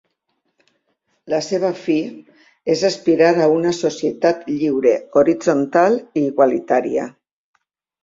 La seva fi és aspirar a una societat lliure, horitzontal i igualitària.